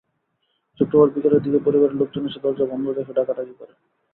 শুক্রবার বিকেলের দিকে পরিবারের লোকজন এসে দরজা বন্ধ দেখে ডাকাডাকি করেন।